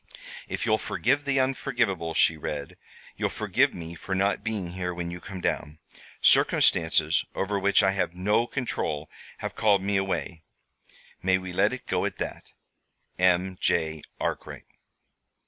"If you'll forgive the unforgivable," she read "you'll forgive me for not being here when you come down. 'Circumstances over which I have no control have called me away.' May we let it go at that? "M. J. ARKWRIGHT."